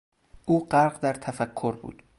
او غرق در تفکر بود.